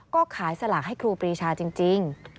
ก็ขายสลากให้ครูปรีชาจริง